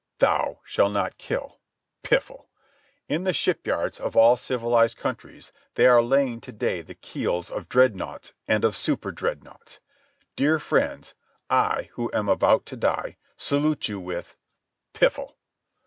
"Thou shalt not kill"—piffle! In the shipyards of all civilized countries they are laying to day the keels of Dreadnoughts and of Superdreadnoughts. Dear friends, I who am about to die, salute you with—"Piffle!"